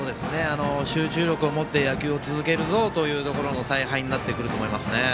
集中力を持って野球を続けるぞという采配になってくると思います。